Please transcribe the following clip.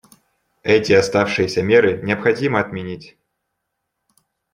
Эти оставшиеся меры необходимо отменить.